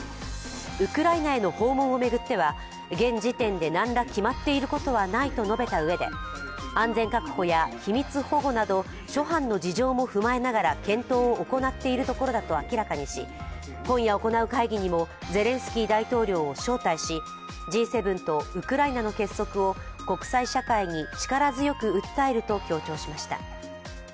ウクライナへの訪問を巡っては現時点で何ら決まっていることはないと述べたうえで、安全確保や秘密保護など諸般の事情も踏まえながら検討を行っているところだと明らかにし、今夜行う会議にもゼレンスキー大統領を招待し、Ｇ７とウクライナの結束を国際社会に力強く訴えると強調しました。